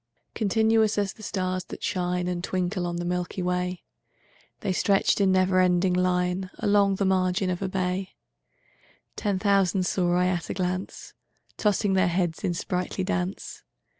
Continuous as the stars that shine And twinkle on the milky way, The stretched in never ending line Along the margin of a bay: Ten thousand saw I at a glance, Tossing their heads in sprightly dance.